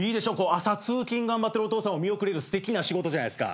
朝通勤頑張ってるお父さんを見送れるすてきな仕事じゃないですか。